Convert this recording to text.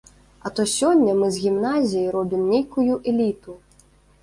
А то сёння мы з гімназій робім нейкую эліту.